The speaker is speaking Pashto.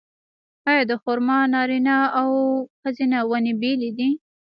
آیا د خرما نارینه او ښځینه ونې بیلې دي؟